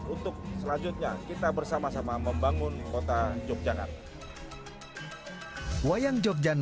untuk selanjutnya kita bersama sama membangun kota yogyakarta